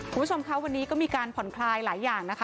คุณผู้ชมคะวันนี้ก็มีการผ่อนคลายหลายอย่างนะคะ